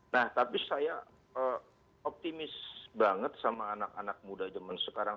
nah tapi saya optimis banget sama anak anak muda zaman sekarang